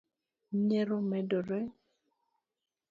nyiero medore